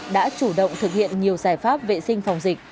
đã chủ động thực hiện nhiều giải pháp vệ sinh phòng dịch